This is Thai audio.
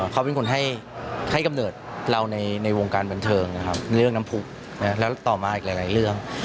เขาเป็นคนให้กำเนิดเราในวงการบันเทิงนะครับเรื่องน้ำพุกแล้วต่อมาอีกหลายเรื่อง